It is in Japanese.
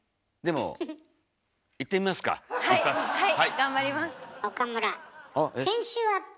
はい。